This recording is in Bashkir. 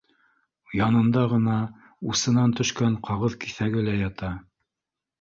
Янында ғына усынан төшкән ҡағыҙ киҫәге лә ята